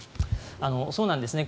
そうなんですね。